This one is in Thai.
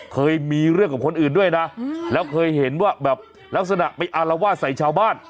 เคยมีเรื่องกับคนอื่นด้วยนะแล้วเคยเห็นว่าแบบลักษณะไปอารวาสใส่ชาวบ้าน